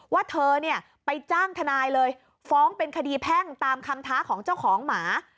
ว่าเธอเนี่ยไปจ้างทนายเลยฟ้องเป็นคดีแพ่งตามคำท้าของเจ้าของหมา